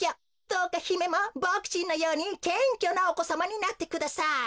どうかひめもボクちんのようにけんきょなおこさまになってください。